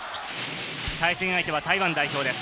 対戦相手は台湾代表です。